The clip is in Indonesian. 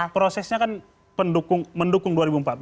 prosesnya kan mendukung dua ribu empat belas dua ribu sembilan belas